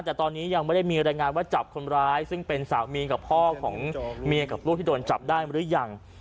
แต่ตอนนี้ยังไม่ได้มีรายงานว่าจับคนร้ายซึ่งเป็นสามีกับพ่อของเมียกับลูกที่โดนจับได้หรือยัง